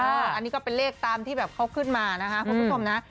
อันนี้ก็เป็นเลขตามที่แบบเขาขึ้นมานะคะคุณผู้ชมนะ